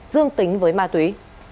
dương tính với ma túy